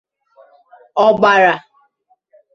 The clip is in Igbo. ọgbara